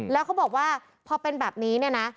แล้วเขาบอกว่าพอเป็นแบบนี้เนี่ยนะ